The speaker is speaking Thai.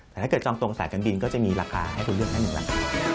แต่ถ้าเกิดจองตรงสายการบินก็จะมีราคาให้คุณเลือกได้๑ล้าน